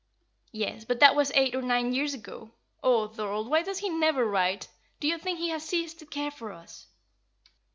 "Yes, but that was eight or nine years ago. Oh, Thorold, why does he never write? Do you think he has ceased to care for us?"